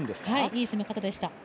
いい攻め方でした。